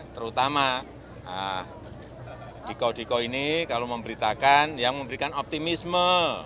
terutama dikau dikau ini kalau memberitakan yang memberikan optimisme